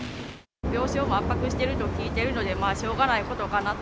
病床も圧迫していると聞いているので、まあしょうがないことかなと。